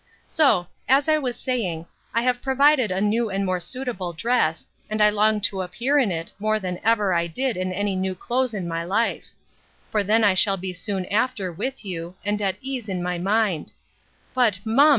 So, as I was saying, I have provided a new and more suitable dress, and I long to appear in it, more than ever I did in any new clothes in my life: for then I shall be soon after with you, and at ease in my mind—But, mum!